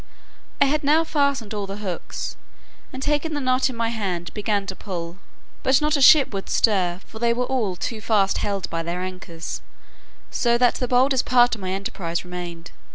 I had now fastened all the hooks, and, taking the knot in my hand, began to pull; but not a ship would stir, for they were all too fast held by their anchors, so that the boldest part of my enterprise remained.